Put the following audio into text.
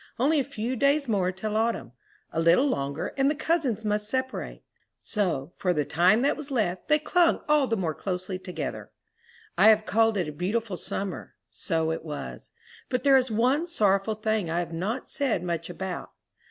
Only a few days more till autumn. A little longer, and the cousins must separate; so, for the time that was left, they clung all the more closely together. I have called it a beautiful summer; so it was, but there is one sorrowful thing I have not said much about.